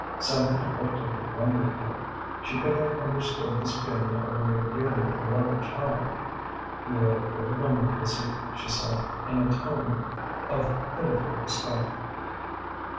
Cynthia looked at her wonderingly. She could have understood this feeling over a dearly beloved child. "You are a good woman, Lizzie," she said, in a tone of pitiful respect.